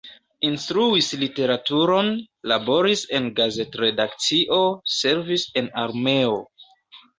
Instruis literaturon, laboris en gazet-redakcio, servis en armeo.